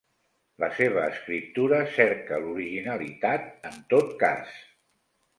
La seva escriptura cerca l'originalitat en tot cas.